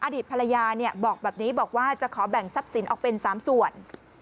อดีตภรรยาบอกแบบนี้บอกว่าจะขอแบ่งทรัพย์สินออกเป็น๓ส่วน